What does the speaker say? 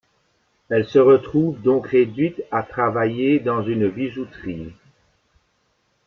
Elle se retrouve donc réduite à travailler dans une bijouterie.